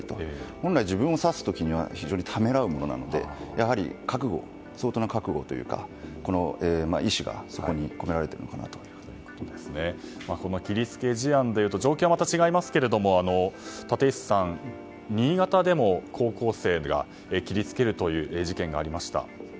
本来自分を刺す時は非常にためらうものなので相当な覚悟というか意思が、そこに切り付け事案でいうと状況は違いますが立石さん、新潟でも高校生が切り付けるという事件がありました。